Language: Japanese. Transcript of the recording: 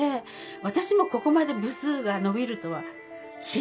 私もここまで部数が伸びるとは信じられないです。